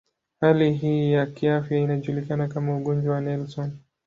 Hali hii ya kiafya inajulikana kama ugonjwa wa Nelson.